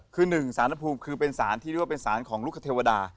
คือหนึ่งสารภูมิคือเป็นสารที่เรียกว่าเป็นสารของลูกคเทวดา